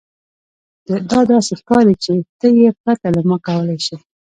دا داسې ښکاري چې ته یې پرته له ما کولی شې